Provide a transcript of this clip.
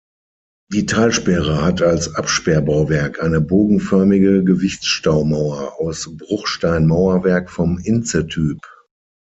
Die Talsperre hat als Absperrbauwerk eine bogenförmige Gewichtsstaumauer aus Bruchsteinmauerwerk vom Intze-Typ.